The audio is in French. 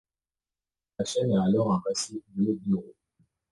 La chaîne a alors un passif de d'euros.